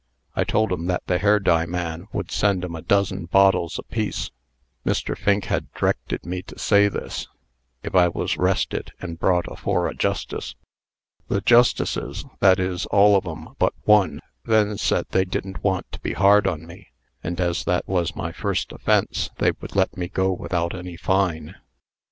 I told 'em that the hair dye man would send 'em a dozen bottles apiece. Mr. Fink had d'rected me to say this, if I was 'rested and brought afore a justice. The justices that is, all of 'em but one then said they didn't want to be hard on me; and as that was my first offence, they would let me go without any fine.